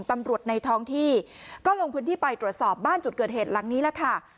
ในท้องที่ก็ลงพื้นที่ไปตรวจสอบบ้านจุดเกิดเหตุหลังนี้แหละค่ะ